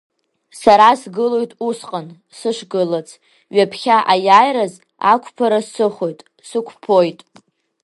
Сара сгылоит усҟан, сышгылац, ҩаԥхьа аиааираз ақәԥара сыхоит, сықәԥоит.